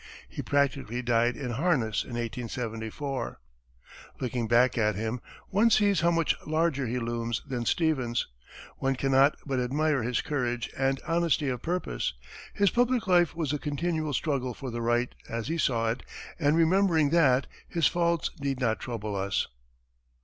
He practically died in harness in 1874. Looking back at him, one sees how much larger he looms than Stevens; one cannot but admire his courage and honesty of purpose; his public life was a continual struggle for the right, as he saw it, and, remembering that, his faults need not trouble us.